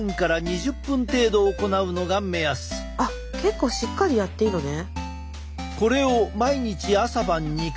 あっ結構しっかりやっていいのね。